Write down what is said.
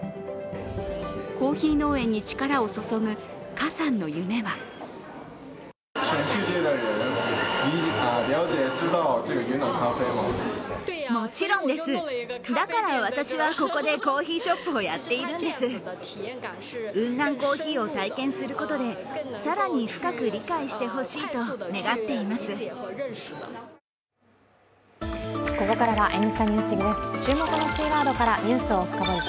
コーヒー農園に力を注ぐ華さんの夢はここからは「Ｎスタ・ＮＥＷＳＤＩＧ」です。